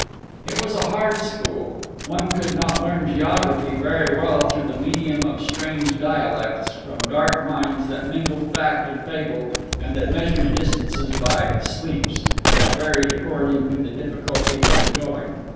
It was a hard school. One could not learn geography very well through the medium of strange dialects, from dark minds that mingled fact and fable and that measured distances by "sleeps" that varied according to the difficulty of the going.